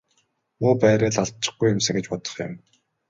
Муу байраа л алдчихгүй юмсан гэж бодох юм.